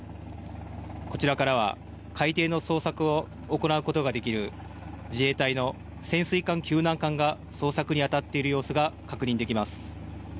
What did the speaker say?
こちらからは海底の捜索を行うことができる自衛隊の潜水艦救難艦が捜索に当たっている様子が確認できます。